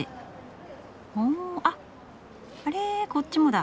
あっあれこっちもだ。